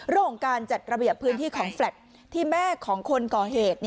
เรื่องของการจัดระเบียบพื้นที่ของแฟลตที่แม่ของคนก่อเหตุ